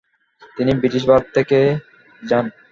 তিনি ব্রিটিশ ভারতে থেকে যান।